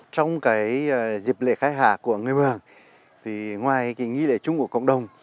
trong cái dịp lễ khai hạ của người mường ngoài cái nghi lễ chung của cộng đồng